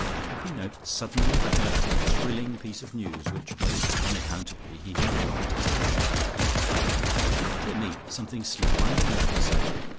Peppino suddenly recollected a thrilling piece of news which most unaccountably he had forgotten to tell Lucia. "Dear me, something slipped my memory," he said.